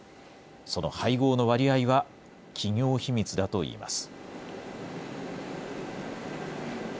その配合の割合は、企業秘密だといいます。